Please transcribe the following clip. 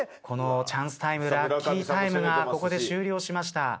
このチャンスタイムラッキータイムがここで終了しました。